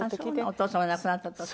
お父様が亡くなった時。